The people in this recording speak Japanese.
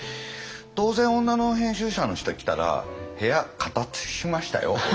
当然女の編集者の人来たら部屋片づけしましたよ俺。